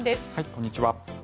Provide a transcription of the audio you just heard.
こんにちは。